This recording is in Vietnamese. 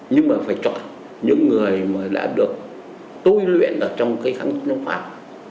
nhưng mà phải chọn những người mà đã được tuy luyện ở trong cái kháng chống pháp